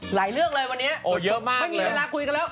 หลายเรื่องเลยวันนี้เพิ่งมีเวลาคุยกันแล้ว